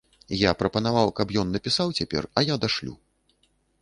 Я прапанаваў, каб ён напісаў цяпер, а я дашлю.